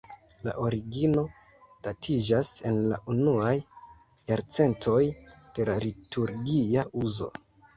La origino datiĝas en la unuaj jarcentoj de la liturgia uzo.